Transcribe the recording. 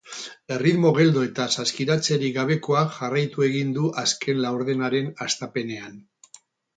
Erritmo geldo eta saskiratzerik gabekoak jarraitu egin du azken laurdenaren hastapenean.